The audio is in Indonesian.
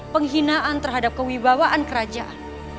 penghinaan terhadap kewibawaan kerajaan